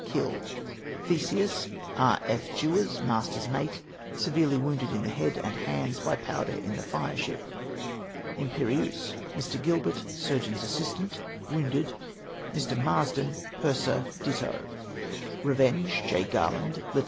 killed. Theseus, E. F. Jewers, Master's ]Mate ; severely wounded in the head and hands by powder in the fireship. Imperieuse, Mr. Gilbert, Surgeon's Assistant, wounded ; Mr. Marsden, Purser; ditto. Revenge, J. Garland, Lieut.